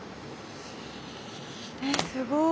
えすごい。